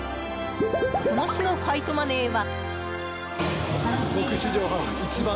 この日のファイトマネーは。